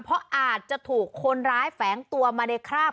เพราะอาจจะถูกคนร้ายแฝงตัวมาในคราบ